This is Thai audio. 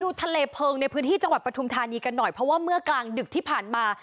ทะเลเพลิงในพื้นที่จังหวัดปฐุมธานีกันหน่อยเพราะว่าเมื่อกลางดึกที่ผ่านมา